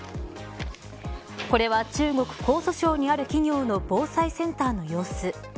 これは、中国江蘇省にある企業の防災センターの様子。